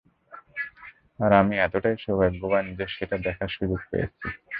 আর আমি এতটাই ভাগ্যবান যে, সেটা দেখার সুযোগ পেয়েছি!